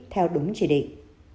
theo đúng chỉ định